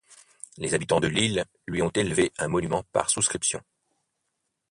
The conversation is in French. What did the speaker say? Les habitants de Lille lui ont élevé un monument par souscription.